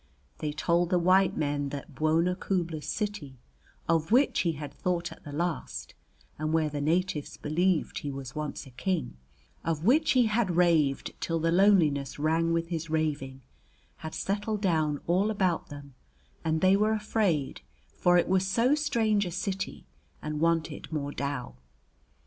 They told the white men that Bwona Khubla's city, of which he had thought at the last (and where the natives believed he was once a king), of which he had raved till the loneliness rang with his raving, had settled down all about them; and they were afraid, for it was so strange a city, and wanted more dow.